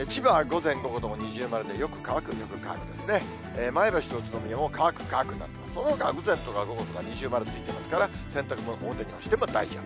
前橋と宇都宮も乾く、乾くになって、そのほかは午前とか午後とか、二重丸ついてますから、洗濯物、表に干しても大丈夫。